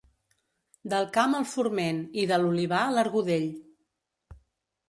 Del camp el forment i de l'olivar l'argudell.